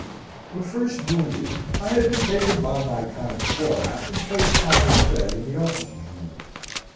"When first wounded, I had been taken by my kind Florac and placed on his bed in the officers' room.